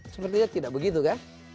sepertinya tidak begitu kan